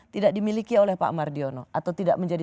tidak dimiliki oleh pak mardiono atau tidak menjadi